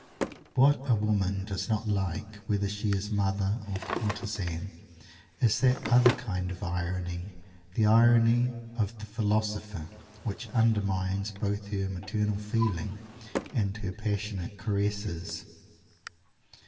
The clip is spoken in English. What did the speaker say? What a woman does not like, whether she is mother or courtezan, is that other kind of irony, the irony of the philosopher, which undermines both her maternal feeling and her passionate caresses.